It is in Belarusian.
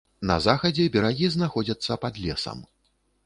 На захадзе берагі знаходзяцца пад лесам.